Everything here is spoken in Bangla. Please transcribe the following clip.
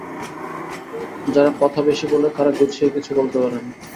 যারা কথা বেশি বলে তারা গুছিয়ে কিছু বলতে পারে না।